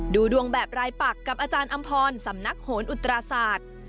ดูดวงแบบรายปักกับอาจารย์อำพรสำนักโหนอุตราศาสตร์